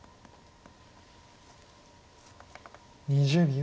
２０秒。